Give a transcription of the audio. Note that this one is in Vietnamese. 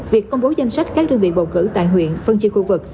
việc công bố danh sách các đơn vị bầu cử tại huyện phân chia khu vực